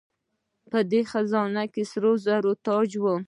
په دې خزانه کې د سرو زرو تاج و